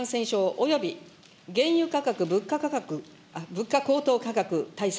および原油価格・物価高騰価格対策